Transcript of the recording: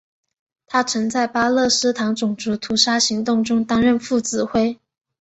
他曾在巴勒斯坦种族屠杀行动中担任副指挥。